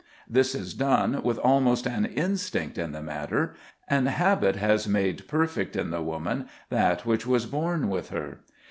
This is done with almost an instinct in the matter, and habit has made perfect in the woman that which was born with her.